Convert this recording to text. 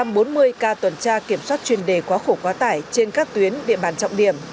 tổ chức hơn một trăm bốn mươi ca tuần tra kiểm soát chuyên đề quá khổ quá tải trên các tuyến địa bàn trọng điểm